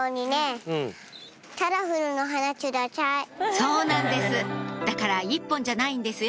そうなんですだから１本じゃないんですよ